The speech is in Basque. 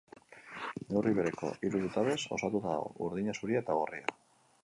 Neurri bereko hiru zutabez osatuta dago: urdina, zuria eta gorria.